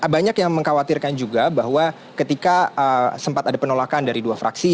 banyak yang mengkhawatirkan juga bahwa ketika sempat ada penolakan dari dua fraksi